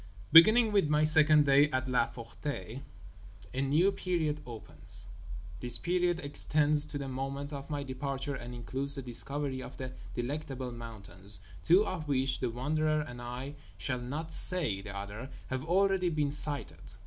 Beginning with my second day at La Ferté a new period opens. This period extends to the moment of my departure and includes the discovery of The Delectable Mountains, two of which—The Wanderer and I shall not say the other—have already been sighted.